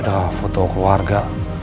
ada foto keluarga